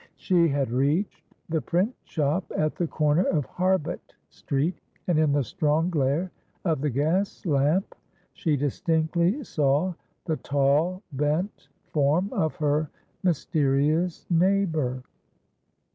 She had reached the print shop at the corner of Harbut Street, and in the strong glare of the gas lamp she distinctly saw the tall, bent form of her mysterious neighbour.